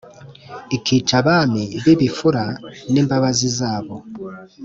ikica abami bibifura nimbabazi zabo